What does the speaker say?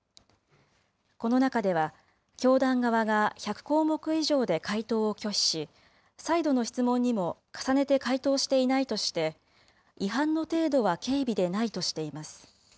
この中では、教団側が１００項目以上で回答を拒否し、再度の質問にも重ねて回答していないとして、違反の程度は軽微でないとしています。